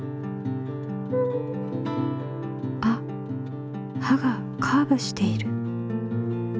あっ刃がカーブしている。